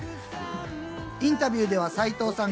インタビューでは斎藤さん